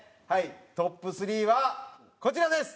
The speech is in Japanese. トップ３はこちらです！